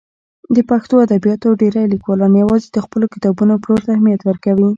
د پښتو ادبیاتو ډېری لیکوالان یوازې د خپلو کتابونو پلور ته اهمیت ورکوي.